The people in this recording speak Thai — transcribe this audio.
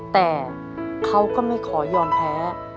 แต่เขาก็ไม่ขอยอมแพ้